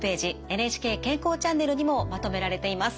「ＮＨＫ健康チャンネル」にもまとめられています。